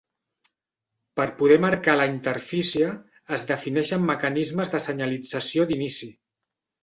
Per poder marcar a la interfície, es defineixen mecanismes de senyalització "d'inici".